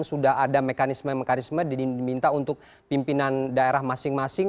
sudah ada mekanisme mekanisme diminta untuk pimpinan daerah masing masing